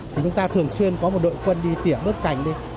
thì chúng ta thường xuyên có một đội quân đi tỉa bớt cành đi